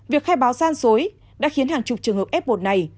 việc khai báo gian dối đã khiến hàng chục trường hợp f một này